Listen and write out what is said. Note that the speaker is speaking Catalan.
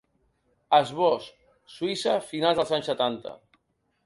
Esbós: Suïssa, finals dels anys setanta.